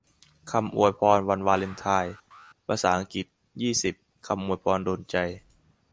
คำอวยพรวันวาเลนไทน์ ภาษาอังกฤษ ยี่สิบ คำอวยพรโดนใจ